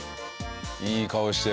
いい顔してる。